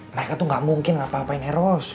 mereka tuh gak mungkin ngapa ngapain eros